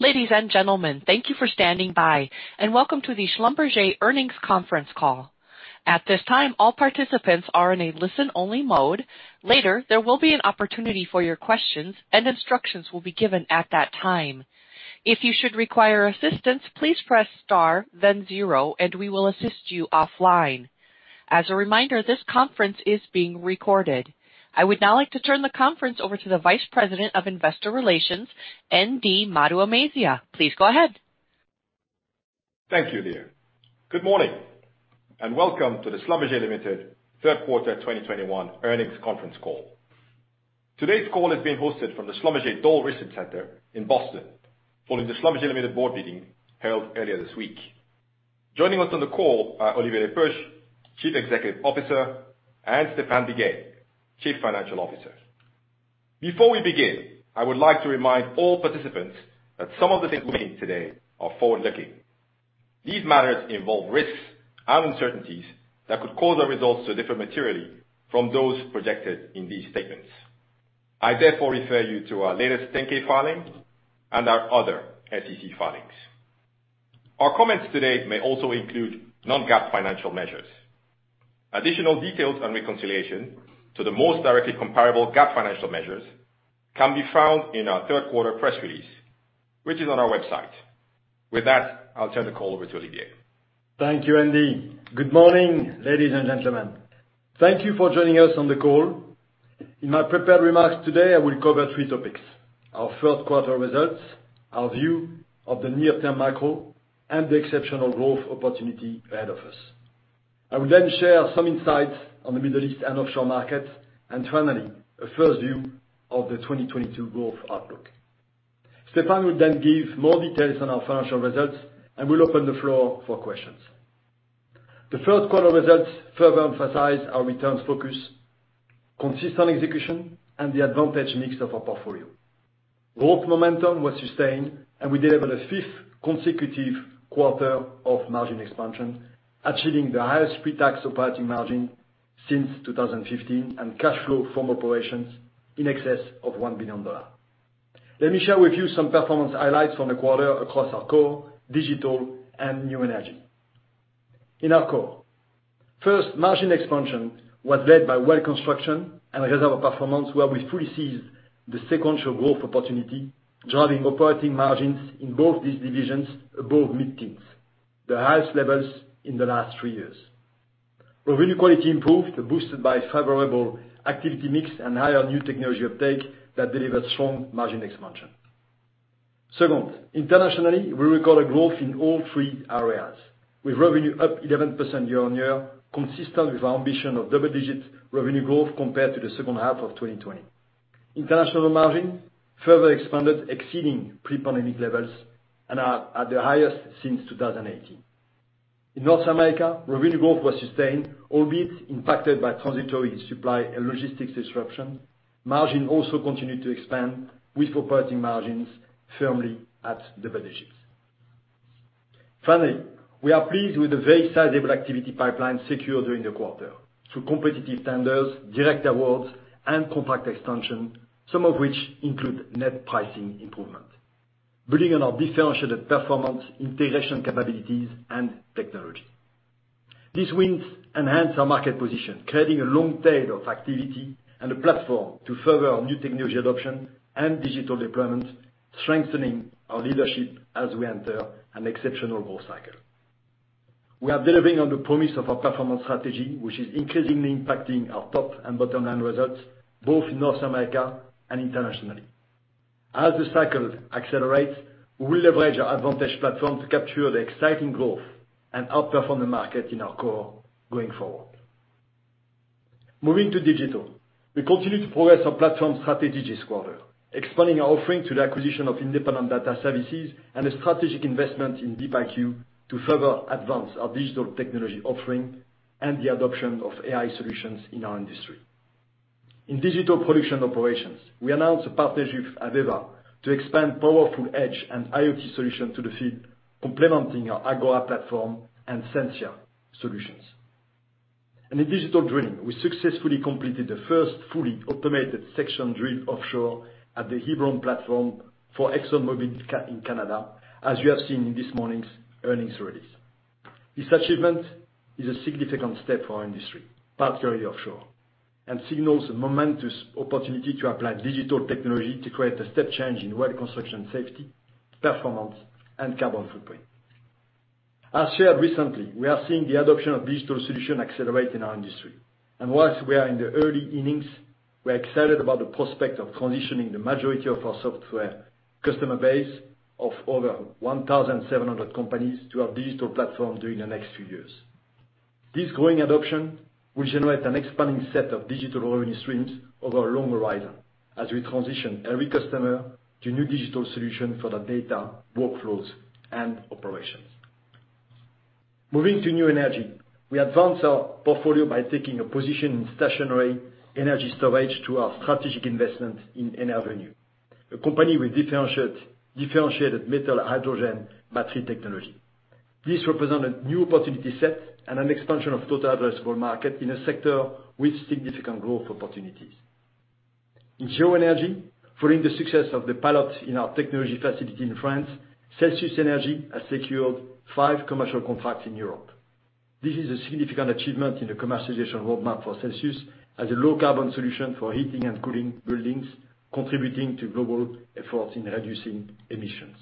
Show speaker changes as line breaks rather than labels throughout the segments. Ladies and gentlemen, thank you for standing by and welcome to the Schlumberger earnings conference call. At this time, all participants are in a listen-only mode. Later, there will be an opportunity for your questions, and instructions will be given at that time. If you should require assistance, please press star then zero, and we will assist you offline. As a reminder, this conference is being recorded. I would now like to turn the conference over to the Vice President of Investor Relations, Ndubuisi Maduemezia. Please go ahead.
Thank you, Leah. Good morning, and welcome to the Schlumberger Limited Q3 2021 earnings conference call. Today's call is being hosted from the Schlumberger Doll Research Center in Boston, following the Schlumberger Limited board meeting held earlier this week. Joining us on the call are Olivier Le Peuch, Chief Executive Officer, and Stéphane Biguet, Chief Financial Officer. Before we begin, I would like to remind all participants that some of the statements made today are forward-looking. These matters involve risks and uncertainties that could cause our results to differ materially from those projected in these statements. I therefore refer you to our latest 10-K filing and our other SEC filings. Our comments today may also include non-GAAP financial measures. Additional details and reconciliation to the most directly comparable GAAP financial measures can be found in our Q3 press release, which is on our website. With that, I'll turn the call over to Olivier.
Thank you, Nd. Good morning, ladies and gentlemen. Thank you for joining us on the call. In my prepared remarks today, I will cover three topics: Our Q3 results, our view of the near-term macro, and the exceptional growth opportunity ahead of us. I will share some insights on the Middle East and offshore markets, and finally, a first view of the 2022 growth outlook. Stéphane will give more details on our financial results, and we'll open the floor for questions. The Q3 results further emphasize our returns focus, consistent execution, and the advantage mix of our portfolio. Growth momentum was sustained, and we delivered a fifth consecutive quarter of margin expansion, achieving the highest pre-tax operating margin since 2015, and cash flow from operations in excess of $1 billion. Let me share with you some performance highlights from the quarter across our core, digital, and new energy. In our core, first margin expansion was led by well construction and Reservoir performance, where we fully seized the sequential growth opportunity, driving operating margins in both these divisions above mid-teens, the highest levels in the last three years. Revenue quality improved, boosted by favorable activity mix and higher new technology uptake that delivered strong margin expansion. Second, internationally, we recorded growth in all three areas, with revenue up 11% year-over-year, consistent with our ambition of double-digit revenue growth compared to the second half of 2020. International margin further expanded, exceeding pre-pandemic levels and are at their highest since 2018. In North America, revenue growth was sustained, albeit impacted by transitory supply and logistics disruption. Margin also continued to expand, with operating margins firmly at double digits. Finally, we are pleased with the very sizable activity pipeline secured during the quarter through competitive tenders, direct awards, and contract extension, some of which include net pricing improvement, building on our differentiated performance, integration capabilities, and technology. These wins enhance our market position, creating a long tail of activity and a platform to further our new technology adoption and digital deployment, strengthening our leadership as we enter an exceptional growth cycle. We are delivering on the promise of our performance strategy, which is increasingly impacting our top and bottom-line results both in North America and internationally. As the cycle accelerates, we will leverage our advantage platform to capture the exciting growth and outperform the market in our core going forward. Moving to digital, we continue to progress our platform strategy this quarter, expanding our offering through the acquisition of Independent Data Services and a strategic investment in DeepIQ to further advance our digital technology offering and the adoption of AI solutions in our industry. In digital production operations, we announced a partnership with AVEVA to expand powerful edge and IOT solution to the field, complementing our Agora platform and Sensia solutions. In digital drilling, we successfully completed the first fully automated section drill offshore at the Hebron platform for ExxonMobil in Canada, as you have seen in this morning's earnings release. This achievement is a significant step for our industry, particularly offshore, and signals a momentous opportunity to apply digital technology to create a step change in well construction safety, performance, and carbon footprint. As shared recently, we are seeing the adoption of digital solution accelerate in our industry, and whilst we are in the early innings, we are excited about the prospect of transitioning the majority of our software customer base of over 1,700 companies to our digital platform during the next few years. This growing adoption will generate an expanding set of digital revenue streams over a long horizon as we transition every customer to new digital solution for their data, workflows, and operations. Moving to New Energy, we advanced our portfolio by taking a position in stationary energy storage through our strategic investment in EnerVenue, a company with differentiated metal hydrogen battery technology. This represent a new opportunity set and an expansion of total addressable market in a sector with significant growth opportunities. In geo-energy, following the success of the pilot in our technology facility in France, Celsius Energy has secured five commercial contracts in Europe. This is a significant achievement in the commercialization roadmap for Celsius as a low-carbon solution for heating and cooling buildings, contributing to global efforts in reducing emissions.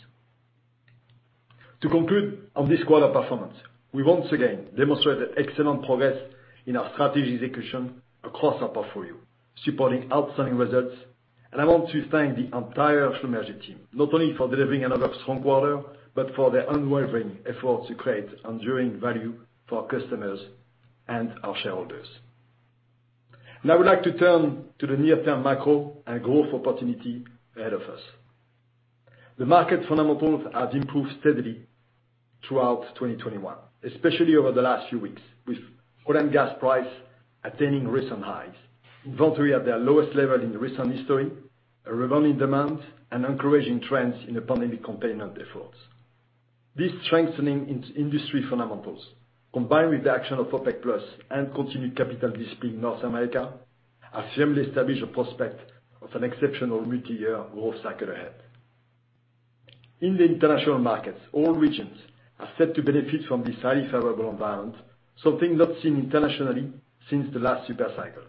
To conclude on this quarter performance, we once again demonstrated excellent progress in our strategy execution across our portfolio, supporting outstanding results. I want to thank the entire SLB team, not only for delivering another strong quarter, but for their unwavering efforts to create enduring value for our customers and our shareholders. Now I would like to turn to the near-term macro and growth opportunity ahead of us. The market fundamentals have improved steadily throughout 2021, especially over the last few weeks, with oil and gas price attaining recent highs, inventory at their lowest level in the recent history, a rebounding demand, and encouraging trends in the pandemic containment efforts. These strengthening industry fundamentals, combined with the action of OPEC+ and continued capital discipline in North America, have firmly established a prospect of an exceptional multiyear growth cycle ahead. In the international markets, all regions are set to benefit from this highly favorable environment, something not seen internationally since the last super cycle.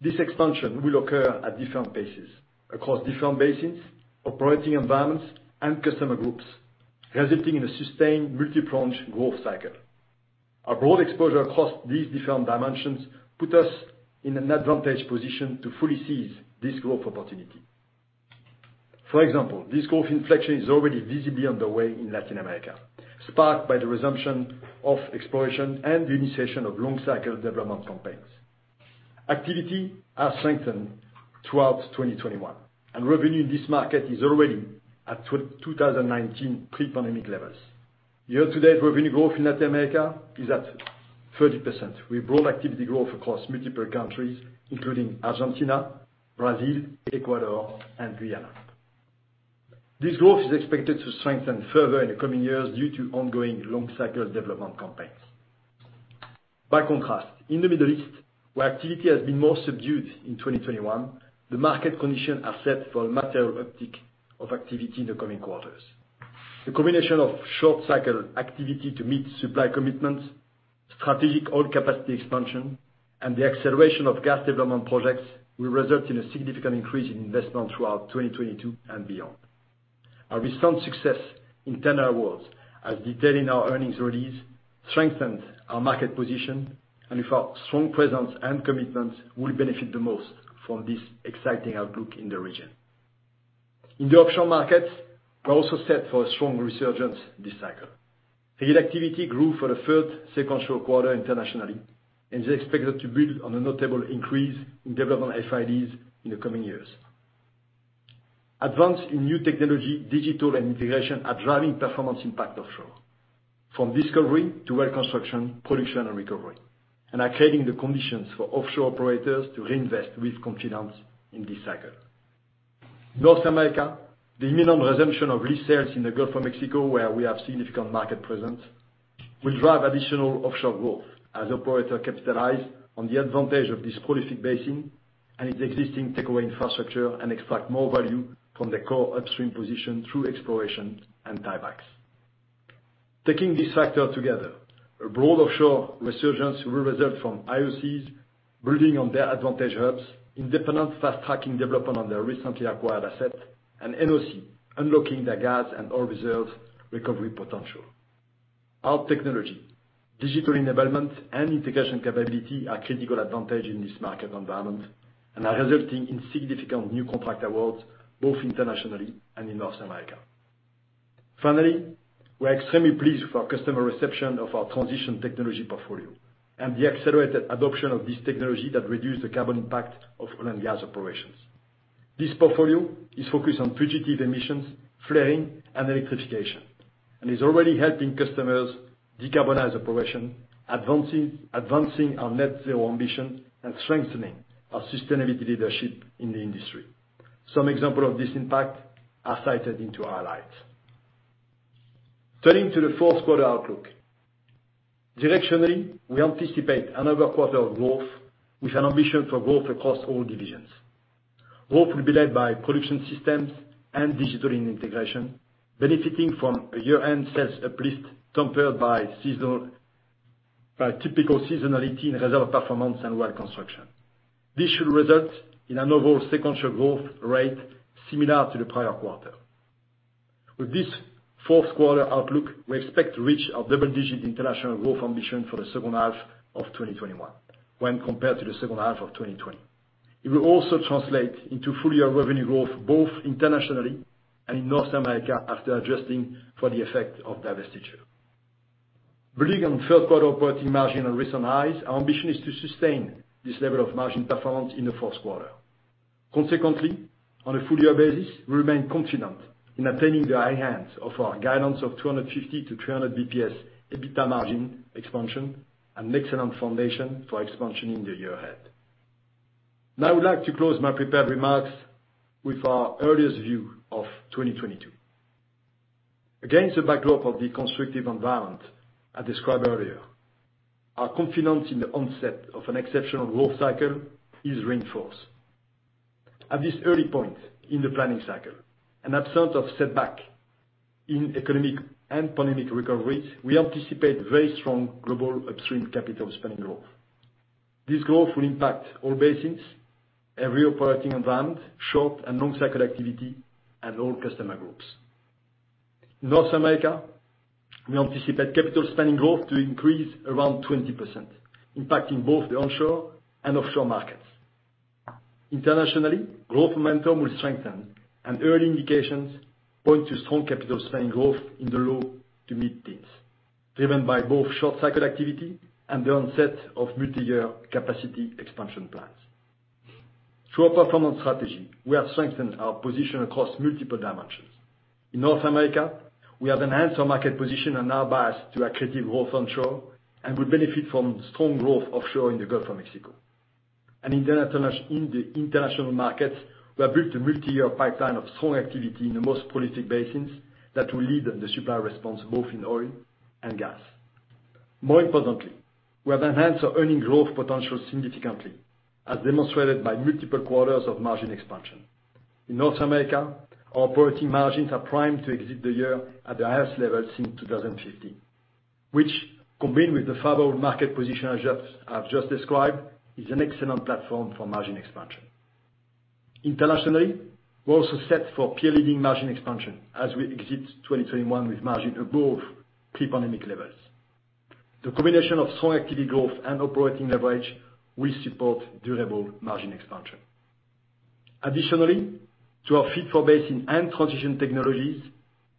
This expansion will occur at different paces across different basins, operating environments, and customer groups, resulting in a sustained multi-pronged growth cycle. Our broad exposure across these different dimensions put us in an advantage position to fully seize this growth opportunity. For example, this growth inflection is already visibly underway in Latin America, sparked by the resumption of exploration and the initiation of long-cycle development campaigns. Activity has strengthened throughout 2021, and revenue in this market is already at 2019 pre-pandemic levels. Year-to-date revenue growth in Latin America is at 30%, with broad activity growth across multiple countries, including Argentina, Brazil, Ecuador, and Guyana. This growth is expected to strengthen further in the coming years due to ongoing long-cycle development campaigns. By contrast, in the Middle East, where activity has been more subdued in 2021, the market conditions are set for a material uptick of activity in the coming quarters. The combination of short-cycle activity to meet supply commitments, strategic oil capacity expansion, and the acceleration of gas development projects will result in a significant increase in investment throughout 2022 and beyond. Our recent success in tender awards, as detailed in our earnings release, strengthened our market position with our strong presence and commitments, we will benefit the most from this exciting outlook in the region. In the offshore markets, we're also set for a strong resurgence this cycle. Field activity grew for the third sequential quarter internationally. It is expected to build on a notable increase in development FIDs in the coming years. Advance in new technology, Digital & Integration are driving performance impact offshore, from discovery to well construction, production, and recovery. They are creating the conditions for offshore operators to reinvest with confidence in this cycle. North America, the imminent resumption of lease sales in the Gulf of Mexico, where we have significant market presence, will drive additional offshore growth as operators capitalize on the advantage of this prolific basin and its existing takeaway infrastructure and extract more value from the core upstream position through exploration and tiebacks. Taking these factors together, a broad offshore resurgence will result from IOCs building on their advantage hubs, independent fast-tracking development on their recently acquired asset, and NOC unlocking their gas and oil reserves recovery potential. Our technology, digital enablement, and integration capability are critical advantage in this market environment and are resulting in significant new contract awards both internationally and in North America. Finally, we are extremely pleased with our customer reception of our transition technology portfolio and the accelerated adoption of this technology that reduce the carbon impact of oil and gas operations. This portfolio is focused on fugitive emissions, flaring, and electrification, and is already helping customers decarbonize operation, advancing our net zero ambition, and strengthening our sustainability leadership in the industry, some example of this impact are cited into our slides. Turning to the Q4 outlook. Directionally, we anticipate another quarter of growth with an ambition for growth across all divisions. Growth will be led by production systems and Digital & Integration, benefiting from a year-end sales uplift tempered by typical seasonality in [Reservoir] performance and well construction. This should result in an overall sequential growth rate similar to the prior quarter. With this Q4 outlook, we expect to reach our double-digit international growth ambition for the second half of 2021 when compared to the second half of 2020. It will also translate into full-year revenue growth, both internationally and in North America after adjusting for the effect of divestiture. Building on Q3 operating margin at recent highs, our ambition is to sustain this level of margin performance in the Q4. Consequently, on a full-year basis, we remain confident in attaining the high ends of our guidance of 250-300 basis points EBITDA margin expansion, an excellent foundation for expansion in the year ahead. Now i would like to close my prepared remarks with our earliest view of 2022. Against the backdrop of the constructive environment I described earlier, our confidence in the onset of an exceptional growth cycle is reinforced. At this early point in the planning cycle, and absence of setback in economic and pandemic recoveries, we anticipate very strong global upstream capital spending growth. This growth will impact all basins, every operating environment, short and long cycle activity, and all customer groups. North America, we anticipate capital spending growth to increase around 20%, impacting both the onshore and offshore markets. Early indications point to strong capital spending growth in the low-to-mid teens, driven by both short cycle activity and the onset of multi-year capacity expansion plans. Through our performance strategy, we have strengthened our position across multiple dimensions. In North America, we have enhanced our market position and our bias to accretive growth onshore, and will benefit from strong growth offshore in the Gulf of Mexico. In the international markets, we have built a multi-year pipeline of strong activity in the most prolific basins that will lead the supply response both in oil and gas. More importantly, we have enhanced our earning growth potential significantly, as demonstrated by multiple quarters of margin expansion. In North America, our operating margins are primed to exit the year at the highest level since 2015, which, combined with the favorable market position I've just described, is an excellent platform for margin expansion. Internationally, we're also set for peer-leading margin expansion as we exit 2021 with margin above pre-pandemic levels. The combination of strong activity growth and operating leverage will support durable margin expansion. Additionally, through our fit-for-basin and transition technologies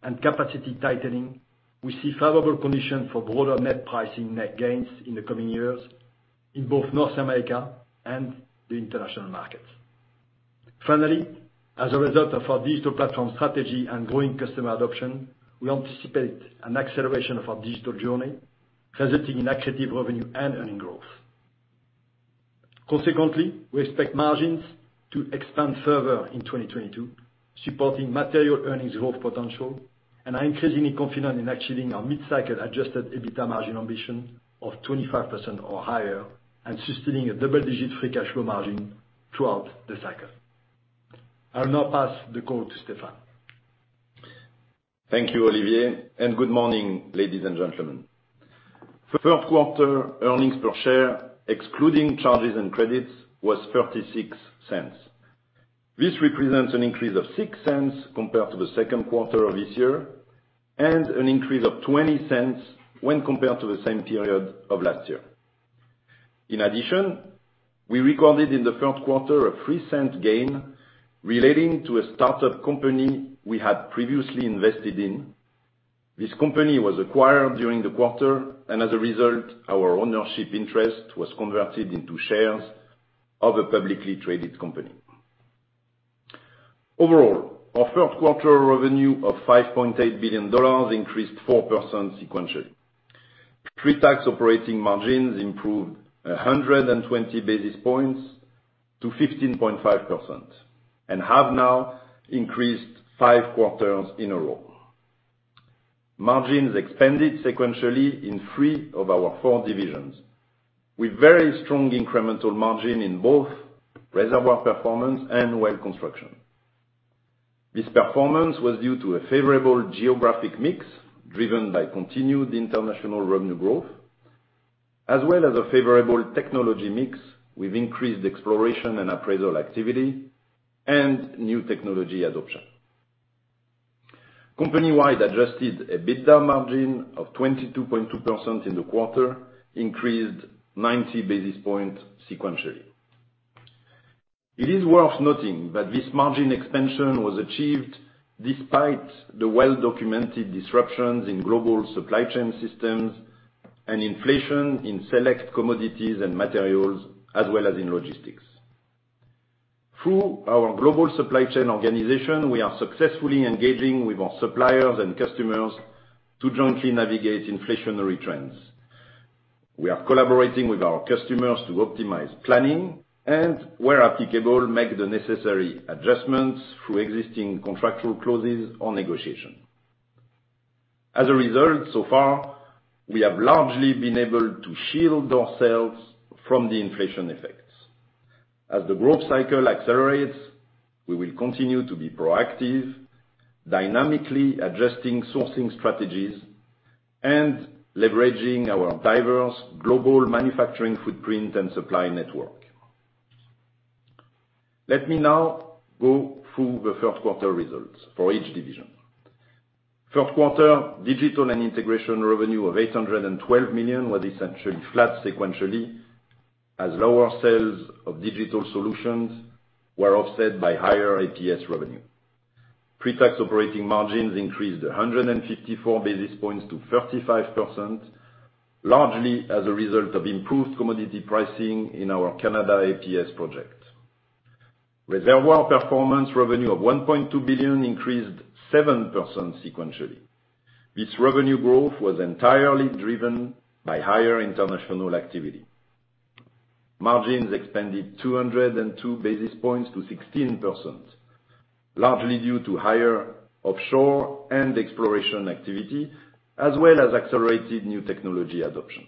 and capacity tightening, we see favorable conditions for broader net pricing gains in the coming years in both North America and the international markets. Finally, as a result of our digital platform strategy and growing customer adoption, we anticipate an acceleration of our digital journey, resulting in accretive revenue and earnings growth. Consequently, we expect margins to expand further in 2022, supporting material earnings growth potential, and are increasingly confident in achieving our mid-cycle adjusted EBITDA margin ambition of 25% or higher and sustaining a double-digit free cash flow margin throughout the cycle. I will now pass the call to Stéphane.
Thank you, Olivier, and good morning, ladies and gentlemen. Q3 earnings per share, excluding charges and credits, was $0.36. This represents an increase of $0.06 compared to the Q2 of this year, and an increase of $0.20 when compared to the same period of last year. In addition, we recorded in the Q3 a $0.03 gain relating to a startup company we had previously invested in. This company was acquired during the quarter, and as a result, our ownership interest was converted into shares of a publicly traded company. Overall, our Q3 revenue of $5.8 billion increased 4% sequentially. Pre-tax operating margins improved 120 basis points to 15.5% and have now increased five quarters in a row. Margins expanded sequentially in three of our four divisions, with very strong incremental margin in both Reservoir performance and well construction. This performance was due to a favorable geographic mix, driven by continued international revenue growth, as well as a favorable technology mix with increased exploration and appraisal activity and new technology adoption. Company-wide adjusted EBITDA margin of 22.2% in the quarter increased 90 basis points sequentially. It is worth noting that this margin expansion was achieved despite the well-documented disruptions in global supply chain systems and inflation in select commodities and materials, as well as in logistics. Through our global supply chain organization, we are successfully engaging with our suppliers and customers to jointly navigate inflationary trends. We are collaborating with our customers to optimize planning and, where applicable, make the necessary adjustments through existing contractual clauses or negotiation. As a result, so far, we have largely been able to shield ourselves from the inflation effects. As the growth cycle accelerates, we will continue to be proactive, dynamically adjusting sourcing strategies and leveraging our diverse global manufacturing footprint and supply network. Let me now go through the Q1 results for each division. Q1 Digital & Integration revenue of $812 million was essentially flat sequentially as lower sales of digital solutions were offset by higher APS revenue. Pre-tax operating margins increased 154 basis points to 35%, largely as a result of improved commodity pricing in our Canada APS project. Reservoir performance revenue of $1.2 billion increased 7% sequentially. This revenue growth was entirely driven by higher international activity. Margins expanded 202 basis points to 16%, largely due to higher offshore and exploration activity, as well as accelerated new technology adoption.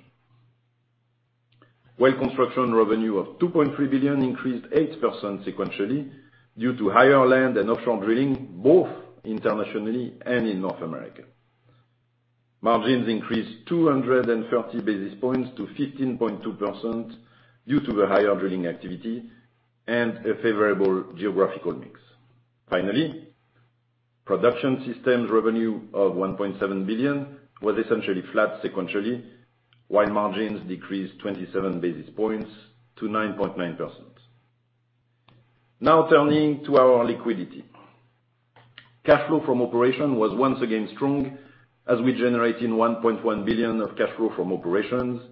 Well construction revenue of $2.3 billion increased 8% sequentially due to higher land and offshore drilling, both internationally and in North America. Margins increased 230 basis points to 15.2% due to the higher drilling activity and a favorable geographical mix. Finally, production systems revenue of $1.7 billion was essentially flat sequentially, while margins decreased 27 basis points to 9.9%. Now turning to our liquidity. Cash flow from operation was once again strong as we generate in $1.1 billion of cash flow from operations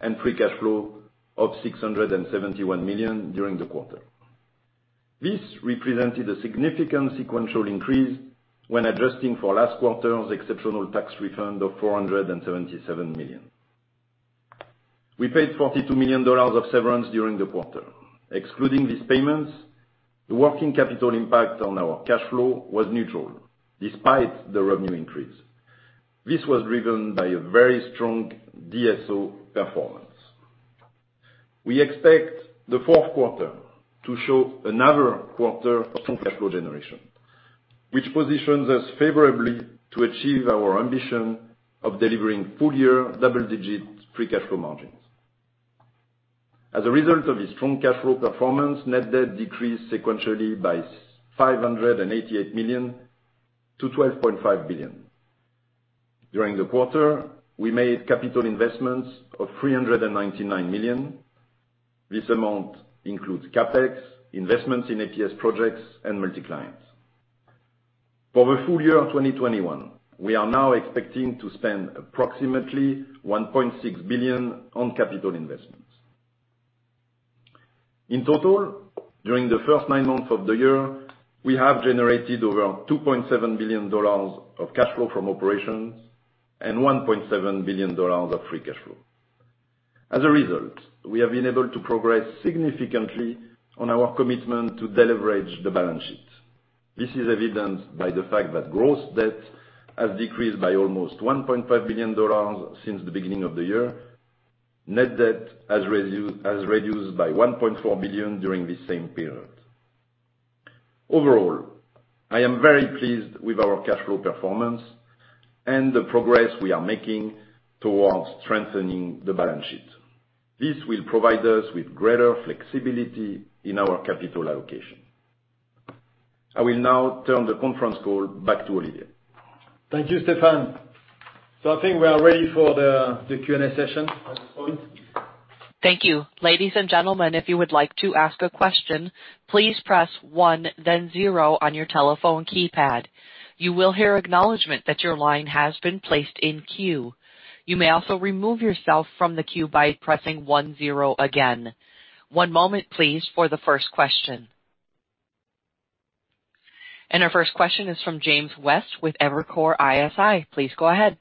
and Free Cash Flow of $671 million during the quarter. This represented a significant sequential increase when adjusting for last quarter's exceptional tax refund of $477 million. We paid $42 million of severance during the quarter. Excluding these payments, the working capital impact on our cash flow was neutral despite the revenue increase. This was driven by a very strong DSO performance. We expect the Q4 to show another quarter of strong cash flow generation, which positions us favorably to achieve our ambition of delivering full-year double-digit Free Cash Flow margins. As a result of this strong cash flow performance, net debt decreased sequentially by $588 million-$12.5 billion. During the quarter, we made capital investments of $399 million. This amount includes CapEx, investments in APS projects, and multi-clients. For the full year 2021, we are now expecting to spend approximately $1.6 billion on capital investments. In total, during the first nine months of the year, we have generated over $2.7 billion of cash flow from operations and $1.7 billion of Free Cash Flow. As a result, we have been able to progress significantly on our commitment to deleverage the balance sheet. This is evident by the fact that gross debt has decreased by almost $1.5 billion since the beginning of the year. Net debt has reduced by $1.4 billion during this same period. Overall, I am very pleased with our cash flow performance and the progress we are making towards strengthening the balance sheet. This will provide us with greater flexibility in our capital allocation. I will now turn the conference call back to Olivier.
Thank you, Stéphane. I think we are ready for the Q&A session at this point.
Our first question is from James West with Evercore ISI. Please go ahead.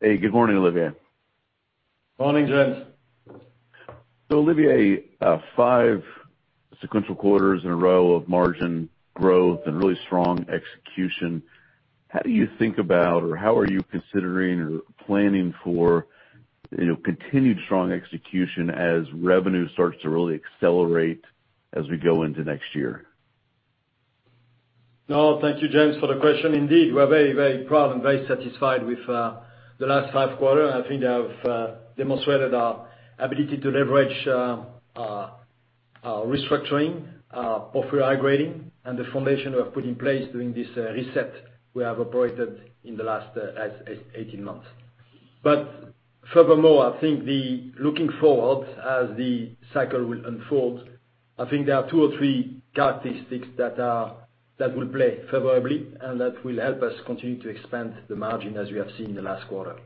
Hey, good morning, Olivier.
Morning, James.
Olivier, five sequential quarters in a row of margin growth and really strong execution. How do you think about? or how are you considering or planning for continued strong execution as revenue starts to really accelerate as we go into next year?
No, thank you James, for the question indeed, we're very, very proud and very satisfied with the last five quarter i think they have demonstrated our ability to leverage our restructuring, our portfolio grading, and the foundation we have put in place during this reset we have operated in the last 18 months. Furthermore, I think looking forward as the cycle will unfold, I think there are two or three characteristics that will play favorably and that will help us continue to expand the margin as we have seen in the last quarter.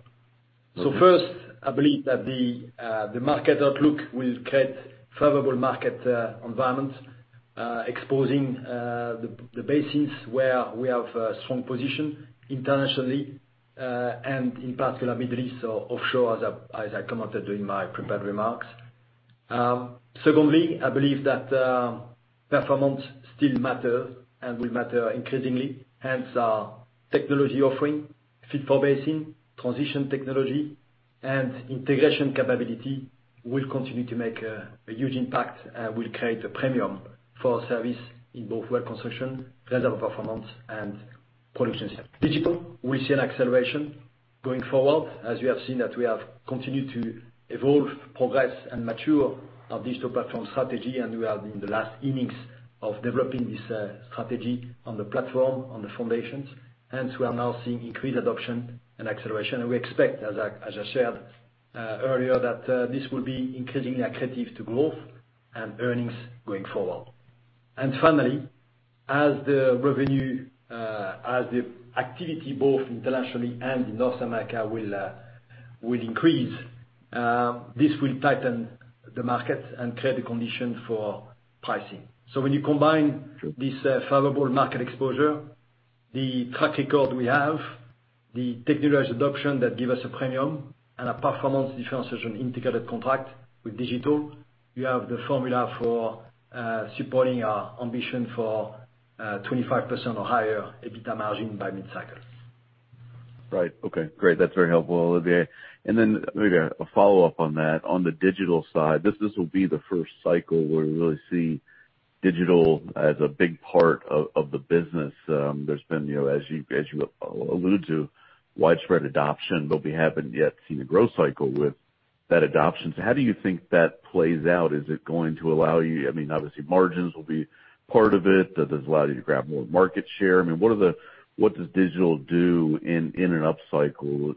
First, I believe that the market outlook will create favorable market environment, exposing the basins where we have a strong position internationally, and in particular Middle East or offshore, as I commented during my prepared remarks. Secondly, I believe that performance still matters and will matter increasingly, hence our technology offering, fit-for-basin, transition technology, and integration capability will continue to make a huge impact and will create a premium for service in both well construction, Reservoir performance, and production, digital we see an acceleration going forward as we have seen that we have continued to evolve, progress, and mature our digital platform strategy, and we are in the last innings of developing this strategy on the platform, on the foundations. Hence, we are now seeing increased adoption and acceleration, and we expect, as I shared earlier, that this will be increasingly accretive to growth and earnings going forward. As the revenue, as the activity both internationally and in North America will increase. This will tighten the market and create the condition for pricing so when you combine this favorable market exposure, the track record we have, the technological adoption that give us a premium, and a performance differentiation integrated contract with digital, you have the formula for supporting our ambition for 25% or higher EBITDA margin by mid-cycle.
Right. Okay, great that's very helpful, Olivier. Then maybe a follow-up on that, on the digital side, this will be the first cycle where we really see digital as a big part of the business. There's been, as you alluded to, widespread adoption, but we haven't yet seen a growth cycle with that adoption how do you think that plays out? Is it going to allow you obviously, margins will be part of it. Does this allow you to grab more market share? What does digital do in an upcycle,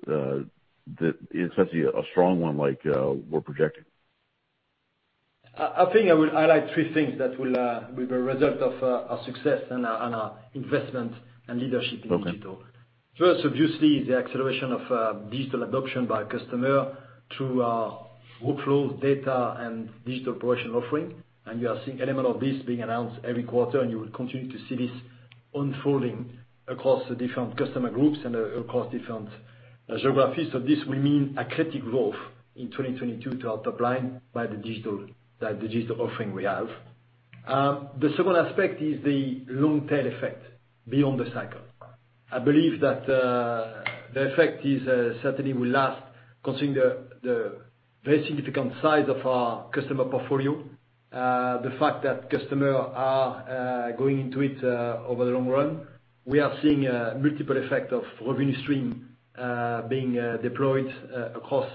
especially a strong one like we're projecting?
I think I will highlight three things that will be the result of our success and our investment in leadership in digital.
Okay.
First obviously, the acceleration of digital adoption by customer through our workflow data and digital operation offering. We are seeing element of this being announced every quarter, and you will continue to see this unfolding across the different customer groups and across different geographies this will mean a critical growth in 2022 to our top line by the digital offering we have. The second aspect is the long tail effect beyond the cycle. I believe that the effect is certainly will last considering the very significant size of our customer portfolio, the fact that customer are going into it over the long run. We are seeing a multiple effect of revenue stream being deployed across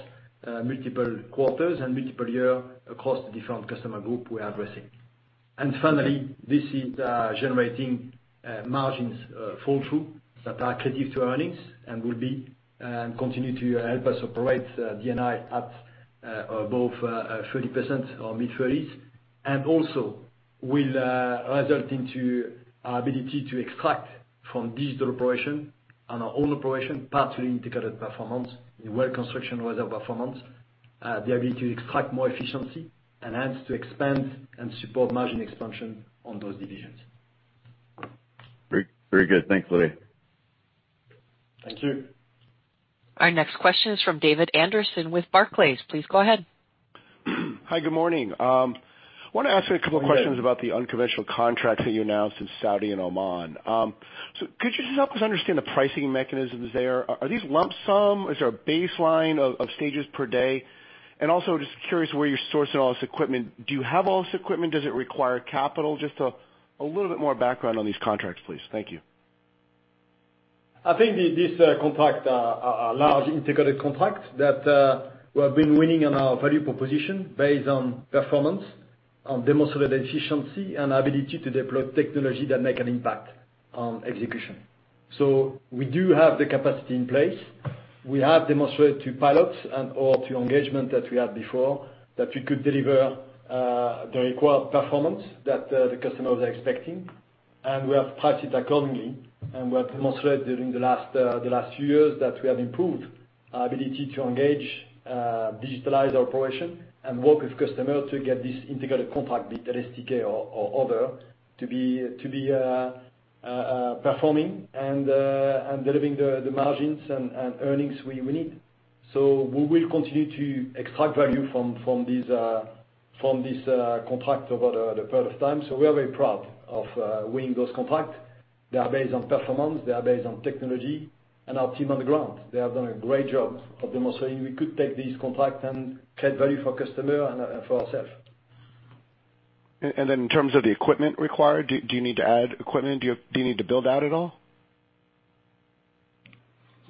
multiple quarters and multiple year across the different customer group we are addressing. Finally, this is generating margins fall through that are critical to earnings and continue to help us operate D&I at above 30% or mid-30s. And also will result into our ability to extract from digital operation and our own operation, partly integrated performance in well construction, Reservoir performance, the ability to extract more efficiency and hence to expand and support margin expansion on those divisions.
Very good. Thanks, Olivier.
Thank you.
Our next question is from David Anderson with Barclays. Please go ahead.
Hi, good morning. I want to ask you a couple of questions about the unconventional contracts that you announced in Saudi and Oman. Could you just help us understand the pricing mechanisms there? Are these lump sum? Is there a baseline of stages per day? Also, just curious where you're sourcing all this equipment do you have all this equipment? Does it require capital? Just a little more background on these contracts, please. Thank you.
I think these contracts are large integrated contracts that we have been winning on our value proposition based on performance, on demonstrated efficiency, and ability to deploy technology that make an impact on execution. We do have the capacity in place. We have demonstrated to pilots and/or to engagement that we had before, that we could deliver the required performance that the customers are expecting, and we have priced it accordingly. We have demonstrated during the last few years that we have improved our ability to engage, digitalize our operation, and work with customer to get this integrated contract with LSTK or other to be performing and delivering the margins and earnings we need. We will continue to extract value from this contract over the period of time we are very proud of winning those contracts. They are based on performance, they are based on technology. Our team on the ground, they have done a great job of demonstrating we could take this contract and create value for customer and for ourself.
In terms of the equipment required, do you need to add equipment? Do you need to build out at all?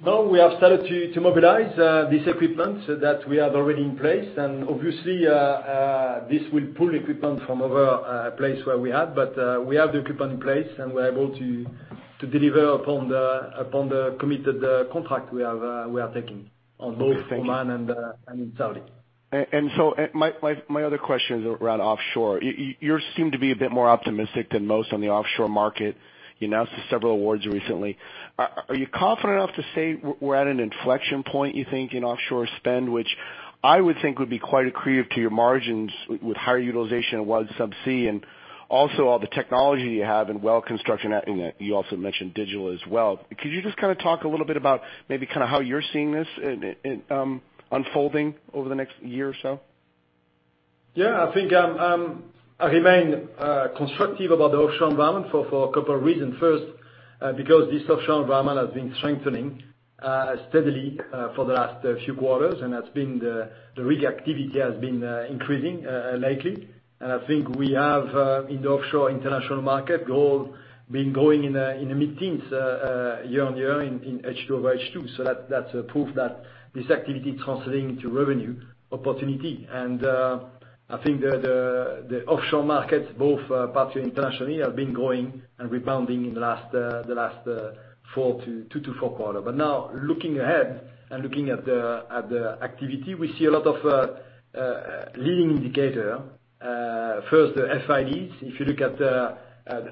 No we have started to mobilize this equipment so that we have already in place and obviously, this will pull equipment from other place where we have but we have the equipment in place, and we are able to deliver upon the committed contract we are taking on.
Okay. Thank you.
Oman and in Saudi.
My other question is around offshore, you seem to be a bit more optimistic than most on the offshore market. You announced several awards recently. Are you confident enough to say we're at an inflection point, you think, in offshore spend, which I would think would be quite accretive to your margins with higher utilization of subsea and also all the technology you have in well construction you also mentioned digital as well. Could you just talk a little bit about maybe how you're seeing this? unfolding over the next year or so?
Yeah, I think I remain constructive about the offshore environment for two reasons so, because this offshore environment has been strengthening steadily for the last few quarters, and the rig activity has been increasing lately. I think we have in the offshore international market growth been growing in the mid-teens year-over-year in second half over second half that's a proof that this activity translating into revenue opportunity. I think the offshore markets, both partially internationally, have been growing and rebounding in the last two to four quarter but now looking ahead and looking at the activity, we see a lot of leading indicators. First the FIDs if you look at the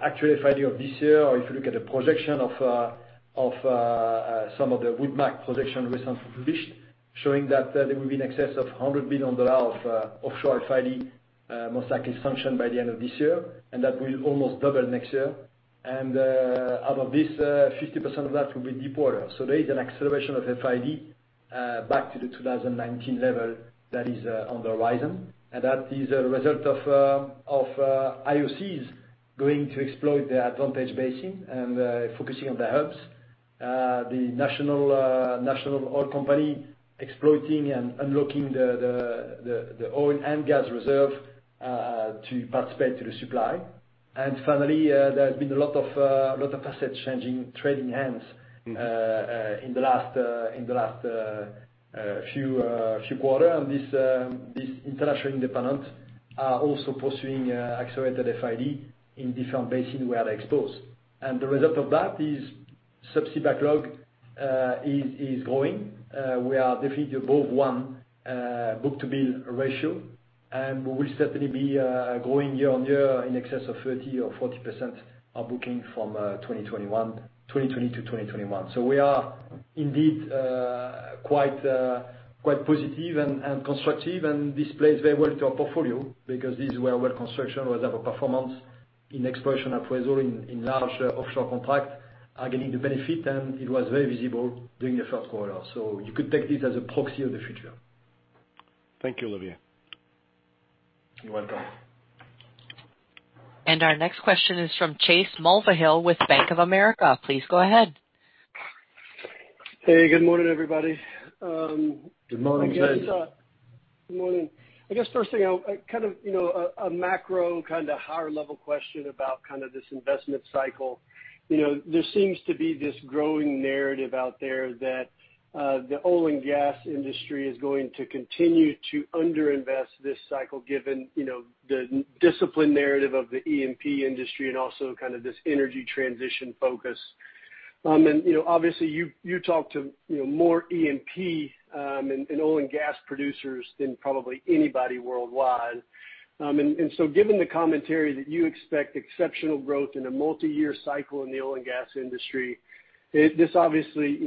actual FID of this year, or if you look at the projection of some of the Wood Mackenzie projection recently published, showing that there will be in excess of $100 billion of offshore FID most likely sanctioned by the end of this year, and that will almost double next year. Out of this, 50% of that will be deepwater so there is an acceleration of FID. Back to the 2019 level that is on the horizon, and that is a result of IOCs going to exploit the advantage basin and focusing on the hubs. The national oil company exploiting and unlocking the oil and gas reserve to participate to the supply. Finally, there has been a lot of assets changing, trading hands in the last few quarter and these international independents are also pursuing accelerated FID in different basins where they expose. The result of that is subsea backlog is growing. We are definitely above 1 book-to-bill ratio, and we will certainly be growing year on year in excess of 30% or 40% of booking from 2020 to 2021 so we are indeed quite positive and constructive, and this plays very well to our portfolio because this is where well construction reserve a performance in exploration appraisal in large offshore contract are getting the benefit, and it was very visible during the Q1 so, you could take this as a proxy of the future.
Thank you, Olivier.
You're welcome.
Our next question is from Chase Mulvehill with Bank of America. Please go ahead.
Hey, good morning, everybody.
Good morning, Chase.
Good morning. I guess first thing, a macro, kind of higher level question about this investment cycle. There seems to be this growing narrative out there that the oil and gas industry is going to continue to underinvest this cycle, given the discipline narrative of the E&P industry and also this energy transition focus. Obviously you talk to more E&P and oil and gas producers than probably anybody worldwide. Given the commentary that you expect exceptional growth in a multi-year cycle in the oil and gas industry, this obviously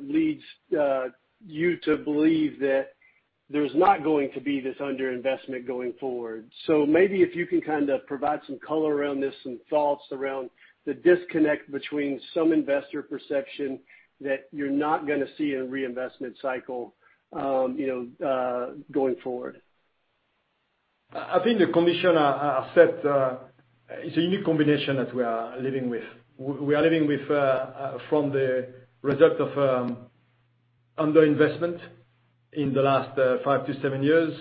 leads you to believe that there's not going to be this underinvestment going forward. Maybe if you can kind of provide some color around this, some thoughts around the disconnect between some investor perception that you're not going to see a reinvestment cycle going forward.
I think the condition I said, it's a unique combination that we are living with. We are living with from the result of under-investment in the last five to seven years,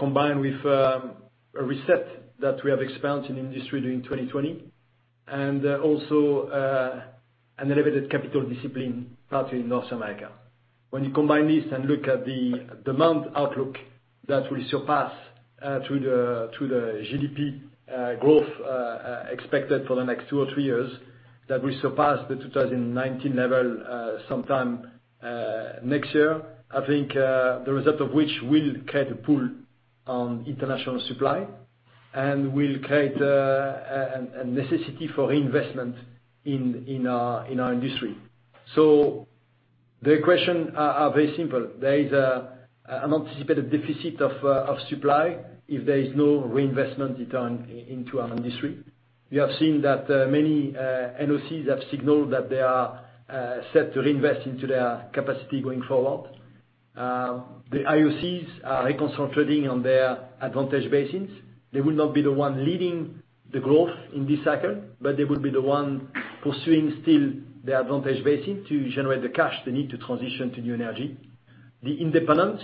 combined with a reset that we have experienced in industry during 2020, and also an elevated capital discipline, partly in North America. When you combine this and look at the demand outlook that will surpass to the GDP growth expected for the next two or three years, that will surpass the 2019 level sometime next year. I think the result of which will create a pull on international supply and will create a necessity for reinvestment in our industry. The question are very simple, there is an anticipated deficit of supply if there is no reinvestment into our industry. We have seen that many NOCs have signaled that they are set to reinvest into their capacity going forward. The IOCs are reconcentrating on their advantage basins. They will not be the one leading the growth in this cycle, but they will be the one pursuing still the advantage basin to generate the cash they need to transition to new energy. The independents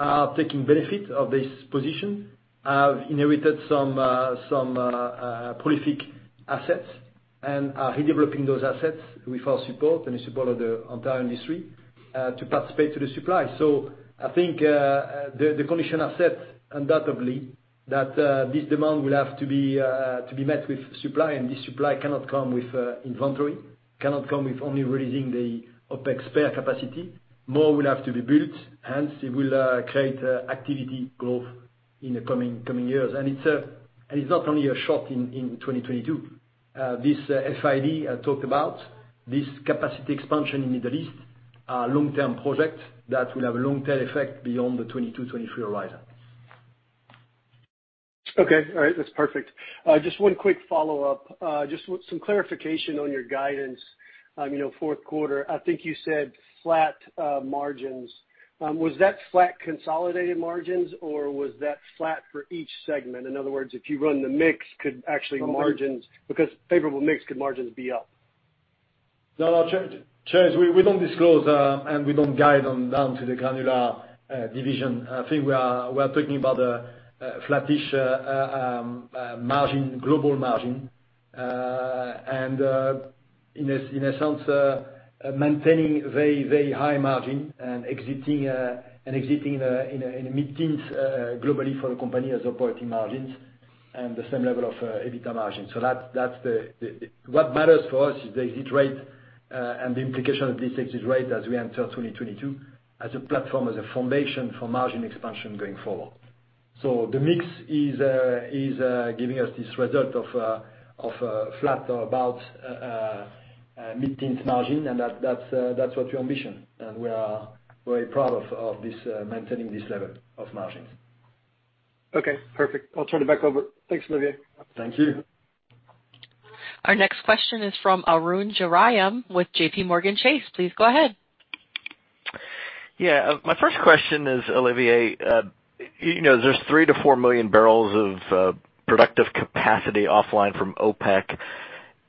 are taking benefit of this position, have inherited some prolific assets, and are redeveloping those assets with our support and the support of the entire industry to participate to the supply. I think the condition are set undoubtedly that this demand will have to be met with supply, and this supply cannot come with inventory, cannot come with only releasing the OpEx spare capacity. More will have to be built, hence it will create activity growth in the coming years and it's not only a shot in 2022. This FID I talked about, this capacity expansion in Middle East are long-term project that will have a long-term effect beyond the 2022, 2023 horizon.
Okay. All right that's perfect. Just one quick follow-up. Just some clarification on your guidance, on your Q4, I think you said flat margins. Was that flat consolidated margins? or was that flat for each segment? In other words, if you run the mix, because favorable mix, could margins be up?
No, Chase we don't disclose, and we don't guide on down to the granular division i think we are talking about a flattish margin, global margin. In a sense, maintaining very high margin and exiting in the mid-teens globally for the company as operating margins, and the same level of EBITDA margin, that what matters for us is the exit rate, and the implication of this exit rate as we enter 2022 as a platform, as a foundation for margin expansion going forward. The mix is giving us this result of a flat or about mid-teens margin, and that's what we ambition, and we are very proud of maintaining this level of margins.
Okay, perfect. I'll turn it back over. Thanks, Olivier.
Thank you.
Our next question is from Arun Jayaram with JPMorgan Chase. Please go ahead.
Yeah. My first question is, Olivier, there's 3 to 4 million barrels of productive capacity offline from OPEC,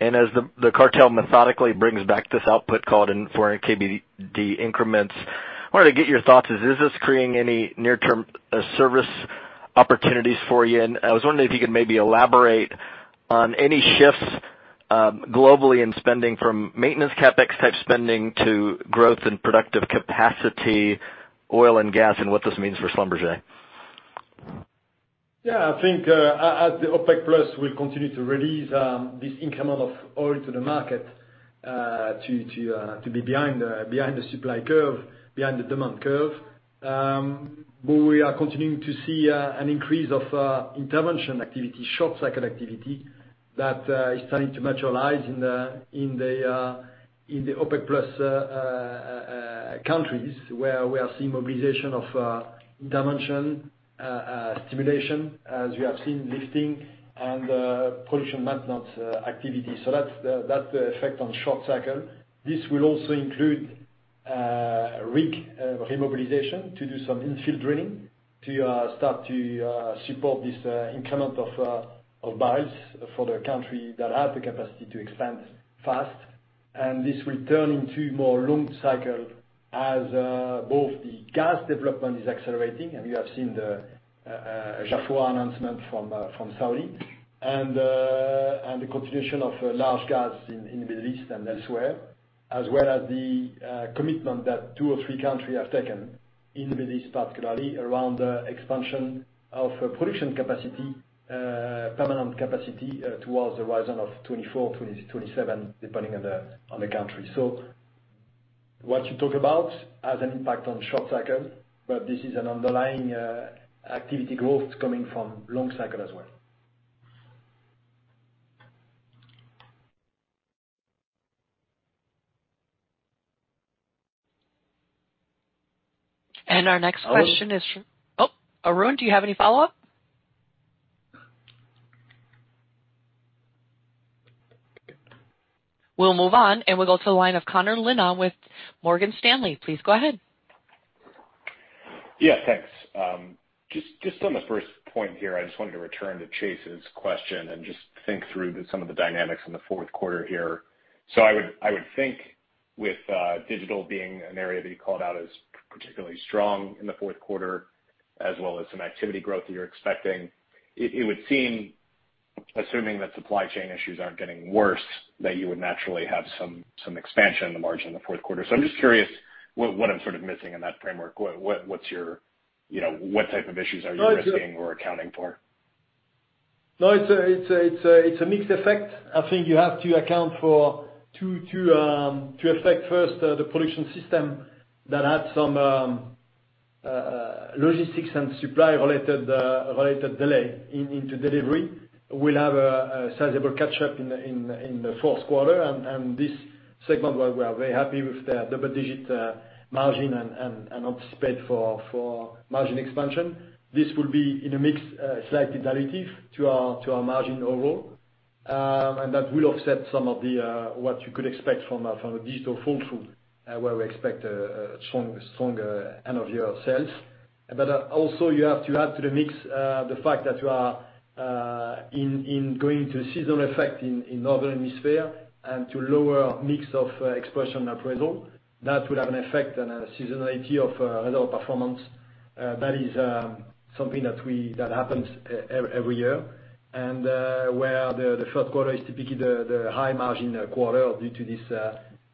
and as the cartel methodically brings back this output called in 400 Kbd increments, I wanted to get your thoughts is this creating any near-term service opportunities for you? I was wondering if you could maybe elaborate on any shifts globally in spending from maintenance CapEx type spending to growth and productive capacity, oil and gas, and what this means for Schlumberger.
Yeah, I think as the OPEC+ will continue to release this increment of oil to the market to be behind the supply curve, behind the demand curve. We are continuing to see an increase of intervention activity, short cycle activity that is starting to materialize in the OPEC+ countries where we are seeing mobilization of intervention, stimulation as we have seen lifting and production maintenance activity so that's the effect on short cycle. This will also include rig remobilization to do some infill drilling to start to support this increment of barrels for the country that have the capacity to expand fast. This will turn into more long cycle as both the gas development is accelerating, and you have seen the Jafurah announcement from Saudi, and the continuation of large gas in the Middle East and elsewhere. As well as the commitment that two or three countries have taken in the Middle East, particularly around expansion of production capacity, permanent capacity towards the horizon of 2024 to 2027, depending on the country. What you talk about has an impact on short cycle, but this is an underlying activity growth coming from long cycle as well.
Our next question is from Arun, do you have any follow-up? We'll move on and we'll go to the line of Connor Lynagh with Morgan Stanley. Please go ahead.
Yeah, thanks. Just on the first point here, I just wanted to return to Chase's question and just think through some of the dynamics in the Q4 here. I would think with digital being an area that you called out as particularly strong in the Q4, as well as some activity growth that you're expecting, it would seem, assuming that supply chain issues aren't getting worse, that you would naturally have some expansion in the margin in the Q4 i'm just curious what I'm sort of missing in that framework what type of issues are you risking or accounting for?
No, it's a mixed effect. I think you have to account for to affect first the production system that had some logistics and supply-related delay into delivery will have a sizable catch-up in the Q4 and this segment where we are very happy with the double-digit margin and anticipate for margin expansion. This will be in a mix, slightly dilutive to our margin overall. That will offset some of what you could expect from a digital full tool, where we expect a stronger end-of-year sales. Also you have to add to the mix the fact that you are in going to seasonal effect in Northern Hemisphere and to lower mix of exploration appraisal. That will have an effect on a seasonality of our performance. That is something that happens every year and where the Q3 is typically the high margin quarter due to this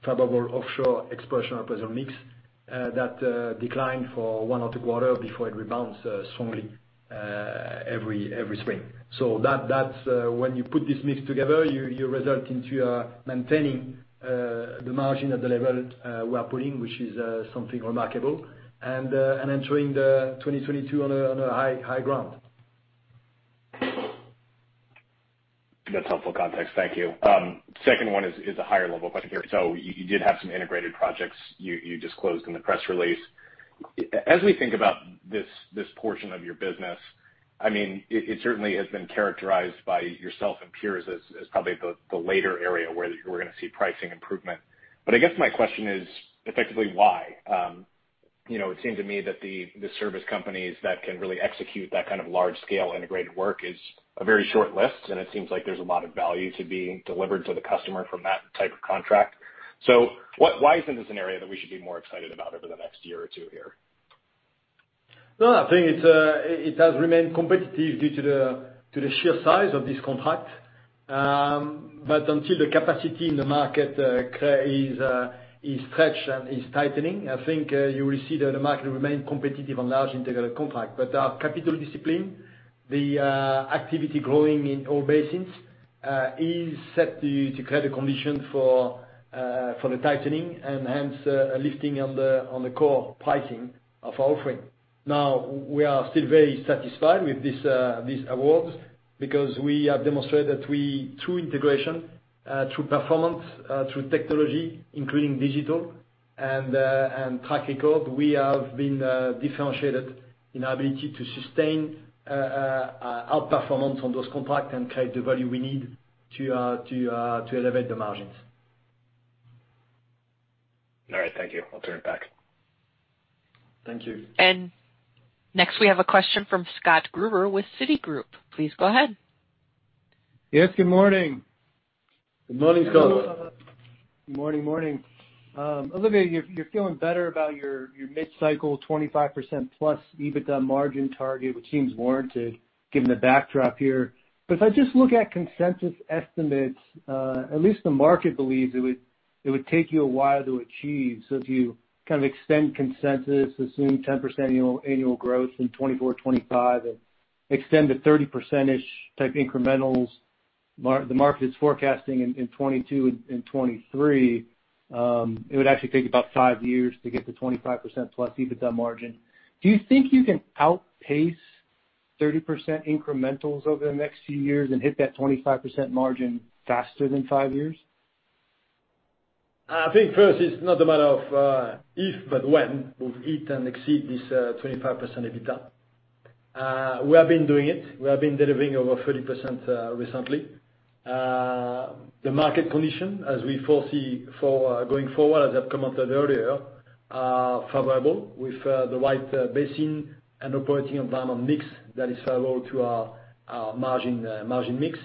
favorable offshore exploration appraisal mix that declined for one or two quarters before it rebounds strongly every spring. When you put this mix together, you result in maintaining the margin at the level we are putting, which is something remarkable, and entering 2022 on a high ground.
That's helpful context thank you. Second one is a higher level question here so you did have some integrated projects you disclosed in the press release. As we think about this portion of your business, it certainly has been characterized by yourself and peers as probably the later area where we're going to see pricing improvement. I guess my question is effectively why? It seems to me that the service companies that can really execute that kind of large scale integrated work is a very short list, and it seems like there's a lot of value to be delivered to the customer from that type of contract. So, why isn't this an area that we should be more excited about over the next year or two here?
I think it has remained competitive due to the sheer size of this contract. But until the capacity in the market is stretched and is tightening, I think you will see that the market will remain competitive on large integrated contract our capital discipline, the activity growing in all basins, is set to create a condition for the tightening and hence a lifting on the core pricing of our offering. Now we are still very satisfied with these awards because we have demonstrated that through integration, through performance, through technology, including digital and track record, we have been differentiated in our ability to sustain our performance on those contracts and create the value we need to elevate the margins.
All right, thank you. I'll turn it back.
Thank you.
Next we have a question from Scott Gruber with Citigroup. Please go ahead.
Yes, good morning.
Good morning, Scott.
Good morning. Olivier Le Peuch, you're feeling better about your mid-cycle +25% EBITDA margin target, which seems warranted given the backdrop here. If I just look at consensus estimates, at least the market believes it would take you a while to achieve if you extend consensus, assume 10% annual growth in 2024, 2025, and extend to 30%-ish type incrementals, the market is forecasting in 2022 and 2023, it would actually take about five years to get to +25% EBITDA margin. Do you think you can outpace 30% incrementals over the next few years and hit that 25% margin faster than five years?
I think first it's not a matter of if, but when we'll hit and exceed this 25% EBITDA. We have been doing it. We have been delivering over 30% recently. The market condition, as we foresee for going forward, as I've commented earlier, are favorable with the right basin and operating environment mix that is favorable to our margin mix.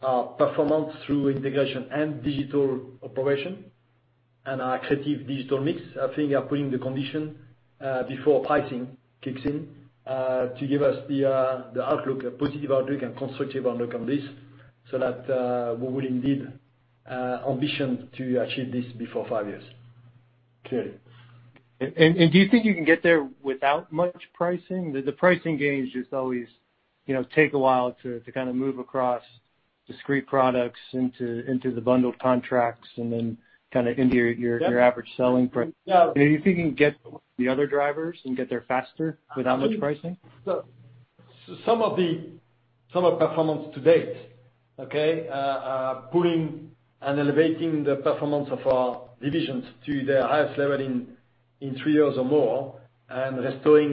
Technology reduction, performance through integration and digital operation, and our creative digital mix, I think are putting the condition before pricing kicks in to give us the outlook, a positive outlook and constructive outlook on this, so that we will indeed ambition to achieve this before five years. Clearly.
Do you think you can get there without much pricing? The pricing gauge just always take a while to kind of move across discrete products into the bundled contracts and then kind of into your average selling price.
Yeah.
Do you think you can get the other drivers and get there faster without much pricing?
Some of performance to date, okay, are pulling and elevating the performance of our divisions to their highest level in three years or more and restoring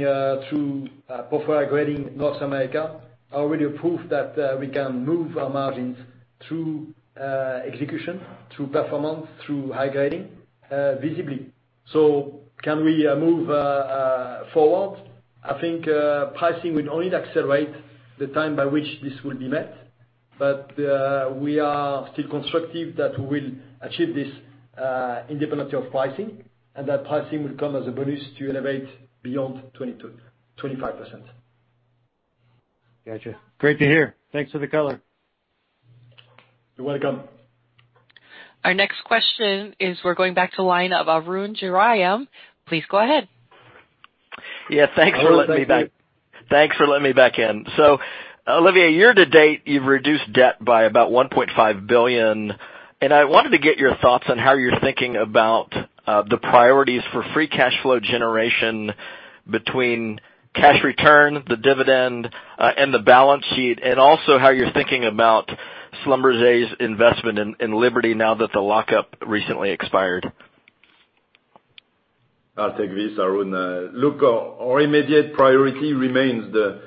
through profile grading North America are already a proof that we can move our margins through execution, through performance, through high grading visibly so, can we move forward? I think pricing will only accelerate the time by which this will be met. But we are still constructive that we will achieve this independently of pricing, and that pricing will come as a bonus to elevate beyond 25%.
Got you. Great to hear. Thanks for the color.
You're welcome.
Our next question is we're going back to line of Arun Jayaram. Please go ahead.
Yes, thanks for letting me back.
Arun, thank you.
Thanks for letting me back in so, Olivier, year to date, you've reduced debt by about $1.5 billion, and I wanted to get your thoughts on how you're thinking about the priorities for Free Cash Flow generation between cash return, the dividend, and the balance sheet, and also how you're thinking about Schlumberger's investment in Liberty now that the lockup recently expired.
I'll take this, Arun. Look, our immediate priority remains the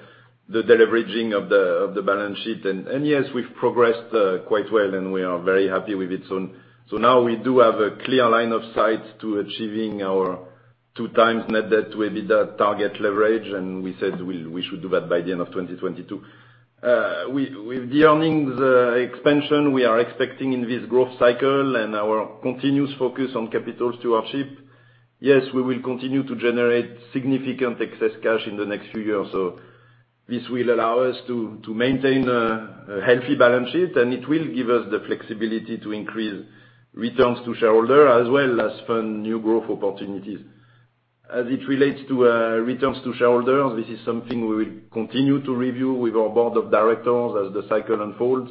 deleveraging of the balance sheet and yes, we've progressed quite well, and we are very happy with it. Now we do have a clear line of sight to achieving our 2x net debt to EBITDA target leverage, and we said we should do that by the end of 2022. With the earnings expansion we are expecting in this growth cycle and our continuous focus on capital stewardship, yes, we will continue to generate significant excess cash in the next few years. This will allow us to maintain a healthy balance sheet, and it will give us the flexibility to increase returns to shareholder as well as fund new growth opportunities. As it relates to returns to shareholders, this is something we will continue to review with our board of directors as the cycle unfolds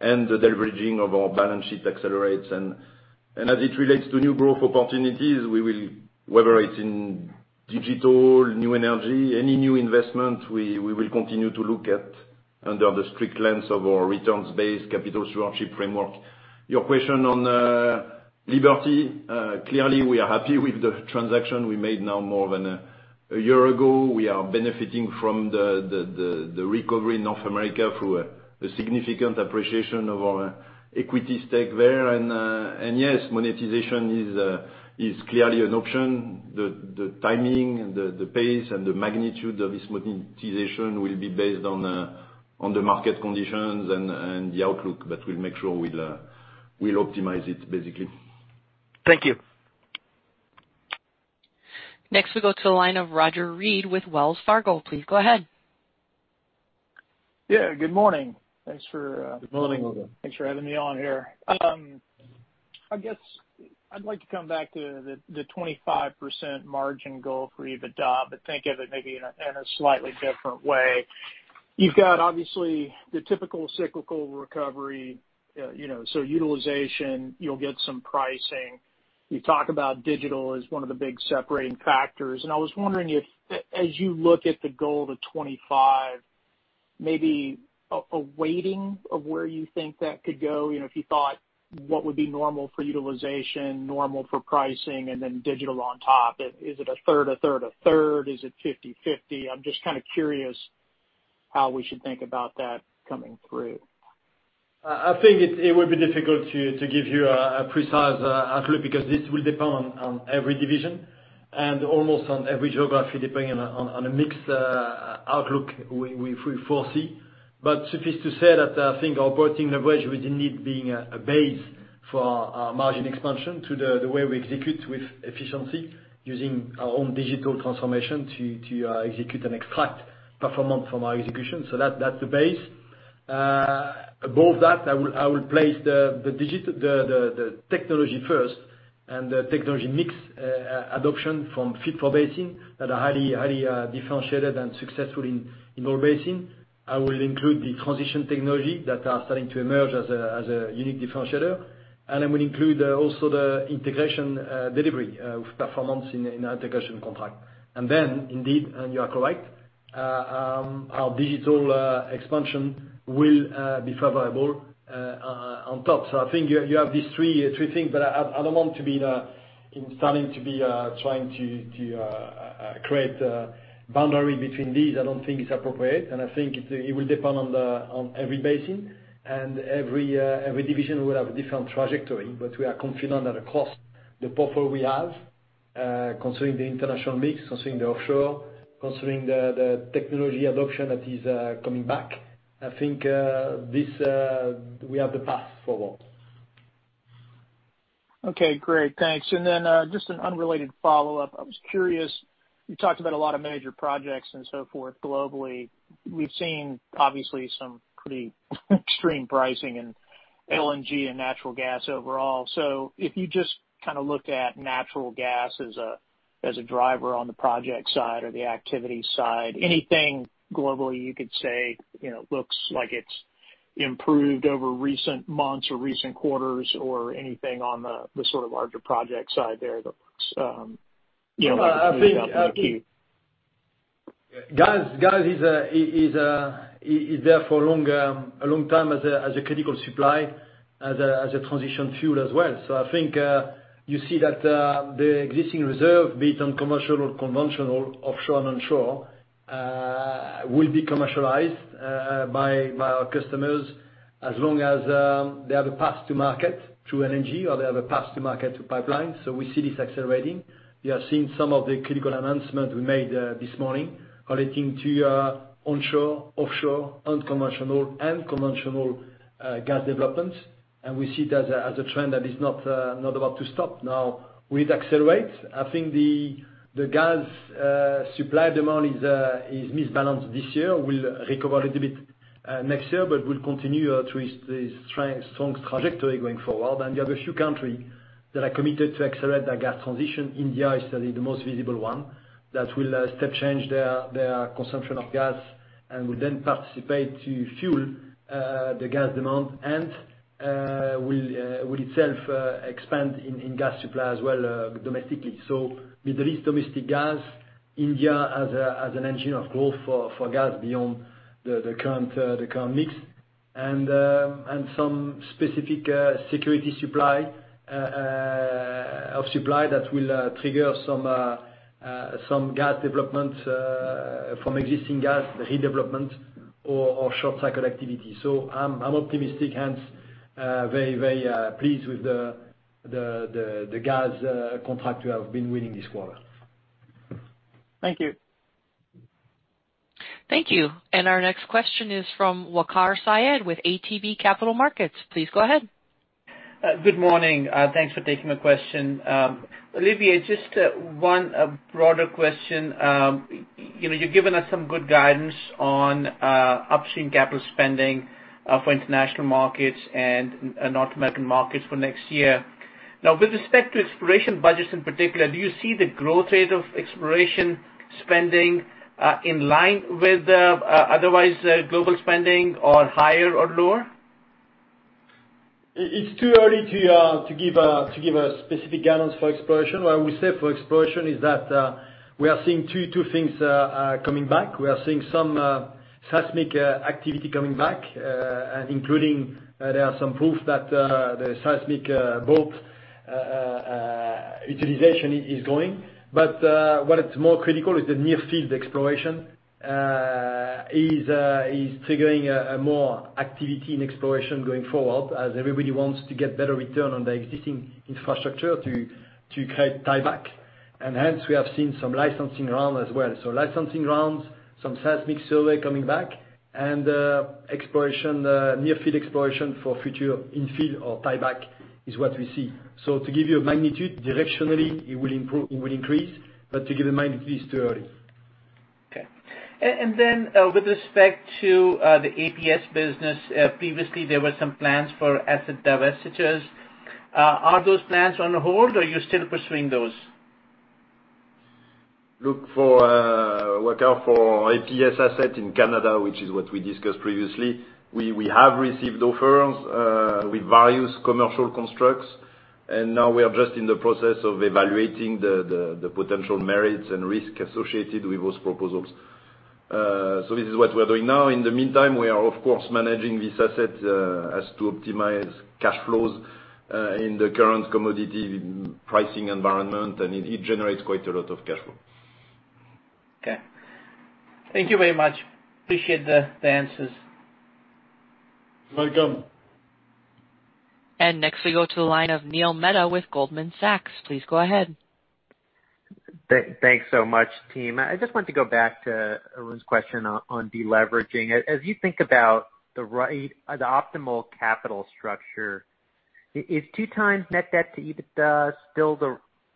and the deleveraging of our balance sheet accelerates. As it relates to new growth opportunities, whether it's in digital, new energy, any new investment, we will continue to look at under the strict lens of our returns-based capital stewardship framework. Your question on Liberty. Clearly, we are happy with the transaction we made now more than a year ago we are benefiting from the recovery in North America through a significant appreciation of our equity stake there and, yes, monetization is clearly an option the timing and the pace and the magnitude of this monetization will be based on the market conditions and the outlook we'll make sure we'll optimize it, basically.
Thank you.
Next we go to the line of Roger Read with Wells Fargo. Please go ahead.
Yeah, good morning.
Good morning, Roger.
Thanks for having me on here. I guess I'd like to come back to the 25% margin goal for EBITDA, think of it maybe in a slightly different way. You've got, obviously, the typical cyclical recovery, so utilization, you'll get some pricing. You talk about digital as one of the big separating factors, and I was wondering if, as you look at the goal to 25%, maybe a weighting of where you think that could go if you thought what would be normal for utilization, normal for pricing, and then digital on top, is it a third, a third, a third? Is it 50/50? I'm just kind of curious how we should think about that coming through.
I think it would be difficult to give you a precise outlook, because this will depend on every division and almost on every geography, depending on a mixed outlook we foresee. But suffice it to say that I think our operating leverage will indeed be a base for our margin expansion to the way we execute with efficiency, using our own digital transformation to execute and extract performance from our execution that's the base. Above that, I will place the technology first and the technology mix adoption from fit-for-basin that are highly differentiated and successful in all basin. I will include the transition technology that are starting to emerge as a unique differentiator, and I will include also the integration delivery of performance in integration contract. Then indeed, and you are correct, our digital expansion will be favorable on top so i think you have these three things, but I don't want to be starting to be trying to create a boundary between these i don't think it's appropriate, and I think it will depend on every basin and every division will have a different trajectory we are confident that across the portfolio we have, considering the international mix, considering the offshore, considering the technology adoption that is coming back, I think we have the path forward.
Okay, great thanks, then, just an unrelated follow-up, i was curious, you talked about a lot of major projects and so forth globally. We've seen, obviously, some pretty extreme pricing in LNG and natural gas overall so, if you just kind of looked at natural gas as a driver on the project side or the activity side, anything globally you could say looks like it's improved over recent months or recent quarters or anything on the sort of larger project side there that works in the queue?
Gas is there for a long time as a critical supply, as a transition fuel as well so i think you see that the existing reserve, be it on commercial or conventional, offshore and onshore, will be commercialized by our customers as long as they have a path to market through LNG or they have a path to market through pipeline, so we see this accelerating. You have seen some of the critical announcements we made this morning relating to onshore, offshore, unconventional, and conventional gas developments, and we see it as a trend that is not about to stop now, will it accelerate? I think the gas supply demand is misbalanced this year we'll recover a little bit next year, but we'll continue to this strong trajectory going forward and we have a few countries that are committed to accelerate their gas transition India is certainly the most visible one- -that will step change their consumption of gas and will then participate to fuel the gas demand and will itself expand in gas supply as well domestically. Middle East domestic gas, India as an engine of growth for gas beyond the current mix and some specific security of supply that will trigger some gas development from existing gas redevelopment or short cycle activity so i'm optimistic, hence very pleased with the gas contracts we have been winning this quarter.
Thank you.
Thank you. Our next question is from Waqar Syed with ATB Capital Markets. Please go ahead.
Good morning. Thanks for taking the question. Olivier, just one broader question. You've given us some good guidance on upstream capital spending for international markets and North American markets for next year. With respect to exploration budgets in particular, do you see the growth rate of exploration spending in line with the, otherwise, global spending or higher or lower?
It's too early to give a specific guidance for exploration what we say for exploration is that we are seeing two things coming back, we are seeing some seismic activity coming back, and including there are some proof that the seismic boat utilization is going. But what is more critical is the near field exploration is triggering more activity in exploration going forward as everybody wants to get better return on their existing infrastructure to create tieback. Hence, we have seen some licensing round as well, licensing rounds, some seismic survey coming back, and near field exploration for future infill or tieback is what we see. To give you a magnitude, directionally, it will increase. To give a magnitude, it's too early.
Okay. With respect to the APS business, previously there were some plans for asset divestitures. Are those plans on hold? or are you still pursuing those?
Look for APS asset in Canada, which is what we discussed previously. We have received offers with various commercial constructs, and now we are just in the process of evaluating the potential merits and risk associated with those proposals. This is what we're doing now in the meantime, we are, of course, managing this asset as to optimize cash flows in the current commodity pricing environment, and it generates quite a lot of cash flow.
Okay. Thank you very much. Appreciate the answers.
Welcome.
Next we go to the line of Neil Mehta with Goldman Sachs. Please go ahead.
Thanks so much, team, i just want to go back to Arun's question on de-leveraging as you think about the optimal capital structure, is 2x net debt to EBITDA still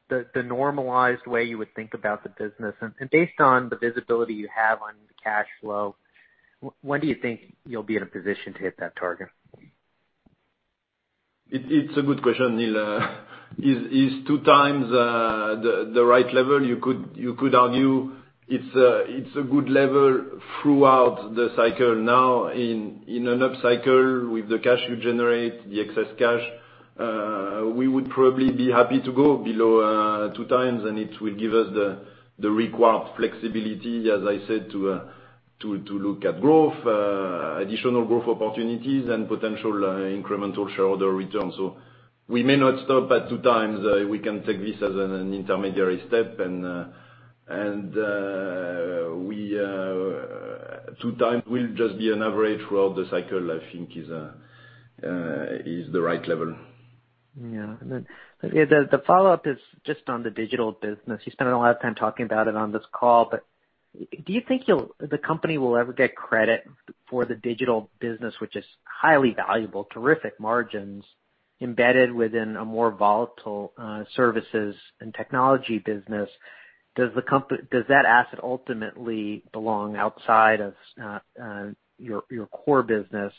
the normalized way you would think about the business? Based on the visibility you have on the cash flow, when do you think you'll be in a position to hit that target?
It's a good question, Neil. Is 2x the right level? You could argue it's a good level throughout the cycle now in an upcycle with the cash you generate, the excess cash, we would probably be happy to go below 2x, and it will give us the required flexibility, as I said, to look at growth, additional growth opportunities, and potential incremental shareholder returns. We may not stop at 2x we can take this as an intermediary step, and 2x will just be an average throughout the cycle, I think is the right level.
Yeah. Then the follow-up is just on the digital business you spent a lot of time talking about it on this call, do you think the company will ever get credit for the digital business, which is highly valuable, terrific margins embedded within a more volatile services and technology business? Does that asset ultimately belong outside of your core business?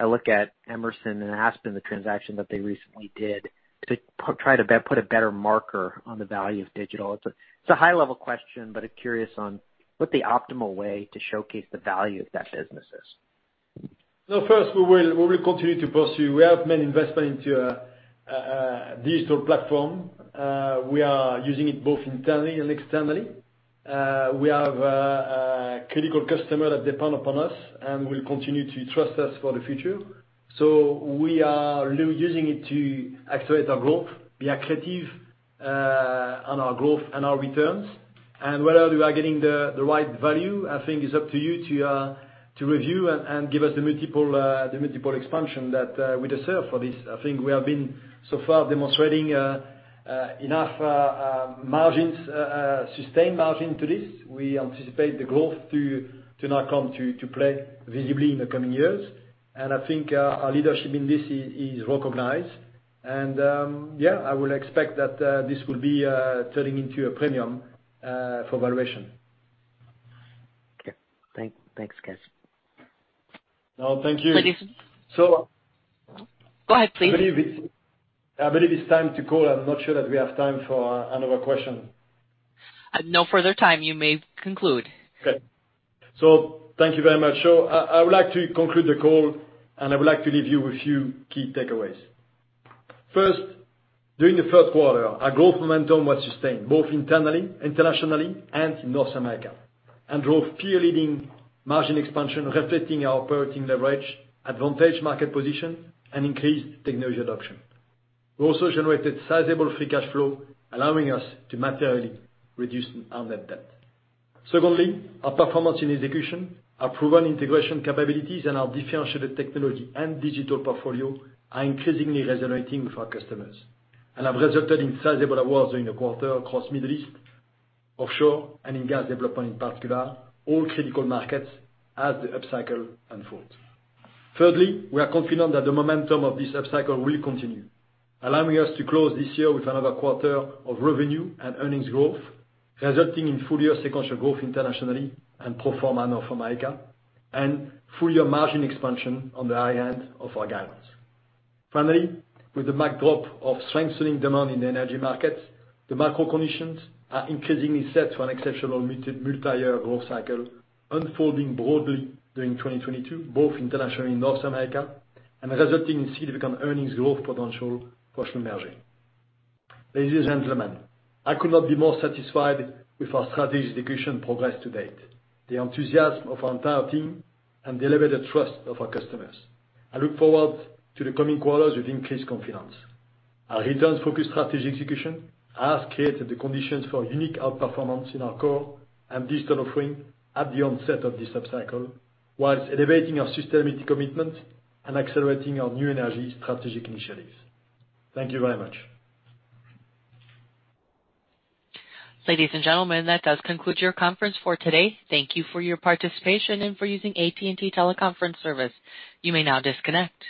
I look at Emerson and AspenTech, the transaction that they recently did to try to put a better marker on the value of digital it's a high level question, curious on what the optimal way to showcase the value of that business is.
First, we will continue to pursue we have made investment into a digital platform. We are using it both internally and externally. We have a critical customer that depend upon us and will continue to trust us for the future. We are using it to accelerate our growth, be accretive on our growth and our returns. Whether we are getting the right value, I think is up to you to review and give us the multiple expansion that we deserve for this i think we have been so far demonstrating enough margins, sustained margin to this. We anticipate the growth to now come to play visibly in the coming years. I think our leadership in this is recognized. Yeah, I will expect that this will be turning into a premium for valuation.
Okay. Thanks, guys.
No, thank you.
Ladies-
So-
Go ahead, please.
I believe it's time to call. I'm not sure that we have time for another question.
No further time. You may conclude.
Okay. Thank you very much. I would like to conclude the call, and I would like to leave you with few key takeaways. First, during the Q3, our growth momentum was sustained both internally, internationally and in North America, and drove peer-leading margin expansion, reflecting our operating leverage, advantage market position, and increased technology adoption. We also generated sizable Free Cash Flow, allowing us to materially reduce our net debt. Secondly, our performance in execution, our proven integration capabilities, and our differentiated technology and digital portfolio are increasingly resonating with our customers and have resulted in sizable awards during the quarter across Middle East, offshore, and in gas development in particular, all critical markets as the upcycle unfolds. Thirdly, we are confident that the momentum of this upcycle will continue, allowing us to close this year with another quarter of revenue and earnings growth, resulting in full year sequential growth internationally and pro forma North America, and full year margin expansion on the high end of our guidance. Finally, with the backdrop of strengthening demand in the energy markets, the macro conditions are increasingly set for an exceptional multi-year growth cycle unfolding broadly during 2022, both internationally in North America, and resulting in significant earnings growth potential for SLB. Ladies and gentlemen, I could not be more satisfied with our strategy execution progress to date, the enthusiasm of our entire team, and elevated trust of our customers. I look forward to the coming quarters with increased confidence. Our returns-focused strategy execution has created the conditions for unique outperformance in our core and digital offering at the onset of this upcycle, while elevating our sustainability commitment and accelerating our new energy strategic initiatives. Thank you very much.
Ladies and gentlemen, that does conclude your conference for today. Thank you for your participation and for using AT&T Teleconference service. You may now disconnect.